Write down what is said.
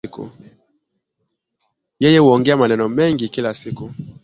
Yeye huongea maneno mengi kila siku